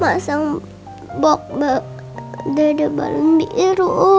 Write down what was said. masang box dada barang biru